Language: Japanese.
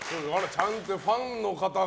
ちゃんとファンの方が。